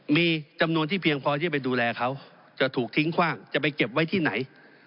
มีจำนวนที่เพียงพอที่จะไปดูแลเขาจะถูกทิ้งคว่างจะไปเก็บไว้ที่ไหน